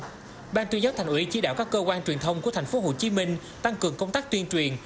trưởng ban tuyên giáo thành ủy chỉ đạo các cơ quan truyền thông của tp hcm tăng cường công tác tuyên truyền